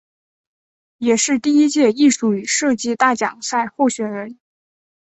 也是第一届艺术与设计大奖赛候选人。